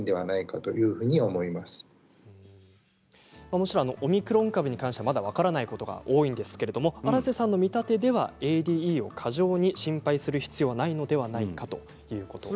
もちろんオミクロン株に関してはまだ分からないことが多いんですけれども荒瀬さんの見立てではＡＤＥを過剰に心配する必要はないのではないかということです。